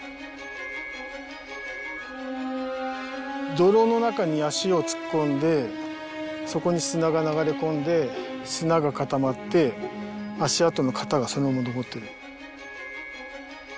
泥の中に足を突っ込んでそこに砂が流れ込んで砂が固まって足跡の型がそのまま残ってる。